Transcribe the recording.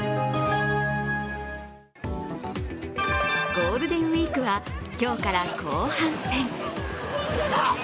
ゴールデンウイークは今日から後半戦。